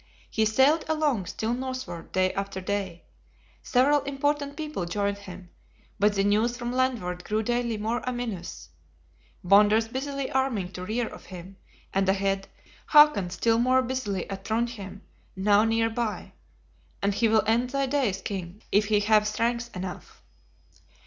He sailed along, still northward, day after day; several important people joined him; but the news from landward grew daily more ominous: Bonders busily arming to rear of him; and ahead, Hakon still more busily at Trondhjem, now near by, " and he will end thy days, King, if he have strength enough!"